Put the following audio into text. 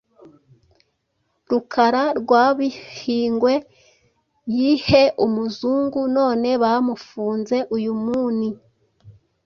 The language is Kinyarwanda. Rukara rwabihingwe yihe ,umuzungu none bamufunze uyumuni